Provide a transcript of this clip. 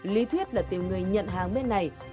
lý thuyết là tìm người nhận hàng bên này